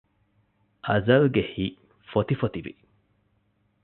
އަޒަލްގެ ހިތް ފޮތިފޮތިވި